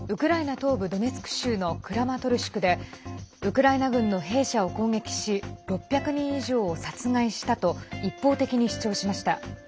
東部ドネツク州のクラマトルシクでウクライナ軍の兵舎を攻撃し６００人以上を殺害したと一方的に主張しました。